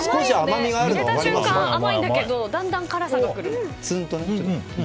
口に入れた瞬間は甘いけどだんだん辛みが来る。